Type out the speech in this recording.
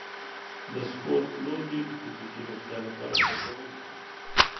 د سپورټ لوبې د فزیکي روغتیا لپاره ګټورې دي.